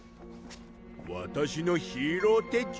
「わたしのヒーロー手帳」？